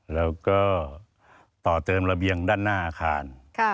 แล้วก็ต่อเติมระเบียงด้านหน้าอาคาร